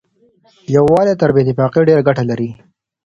يووالی تر بې اتفاقۍ ډېره ګټه لري.